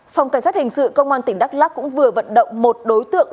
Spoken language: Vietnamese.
phòng cảnh sát hình sự công an tỉnh đắk lắc cũng vừa vận động một đối tượng